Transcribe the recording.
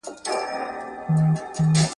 زه بې پروا له حادثو د زمان